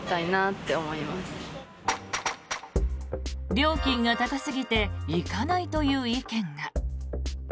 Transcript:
料金が高すぎて行かないという意見が。